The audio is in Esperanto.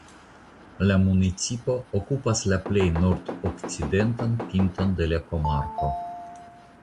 La municipo okupas la plej nordokcidentan pinton de la komarko.